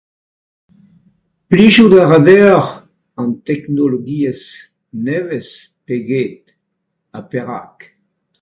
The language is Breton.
Plijout a ra deoc'h an teknologiezh nevez pe get ha perak ?